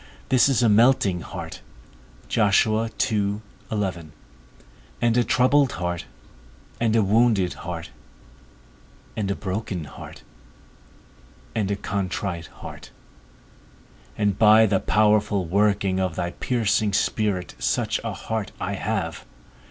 This is a melting heart, and a troubled heart, and a wounded heart, and a broken heart, and a contrite heart; and by the powerful working of thy piercing Spirit such a heart I have.